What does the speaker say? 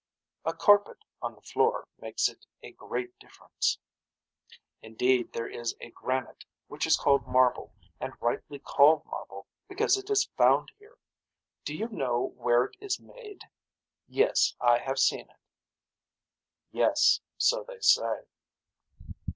A carpet on the floor makes it a great difference. Indeed there is a granite which is called marble and rightly called marble because it is found here. Do you know where it is made. Yes I have seen it. Yes so they say.